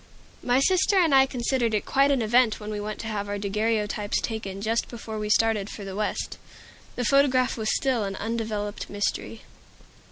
My sister and I considered it quite an event when we went to have our daguerreotypes taken just before we started for the West. The photograph was still an undeveloped mystery.